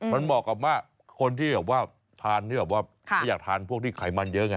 มันบอกกับว่าคนที่อยากทานพวกที่ไขมันเยอะไง